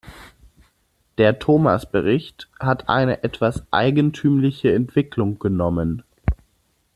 Der Thomas-Bericht hat eine etwas eigentümliche Entwicklung genommen.